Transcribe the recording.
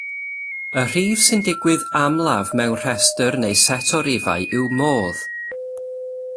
Y rhif sy'n digwydd amlaf mewn rhestr neu set o rifau yw modd.